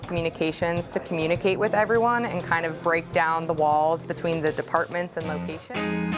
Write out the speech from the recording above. saya juga suka berkomunikasi dengan semua orang dan memutuskan peringkat antara perusahaan dan lokasi